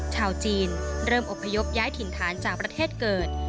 ชาวจีนเริ่มอบพยพย้ายถิ่นฐานจากประเทศเกิด